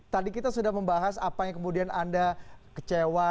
tadi kita sudah membahas apa yang kemudian anda kecewa